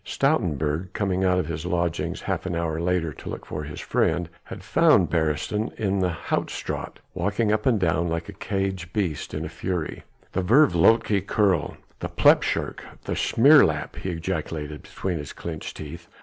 Stoutenburg, coming out of his lodgings half an hour later to look for his friend, had found Beresteyn in the Hout Straat walking up and down like a caged beast in a fury. "The vervloekte Keerl! the plepshurk! the smeerlap!" he ejaculated between his clenched teeth.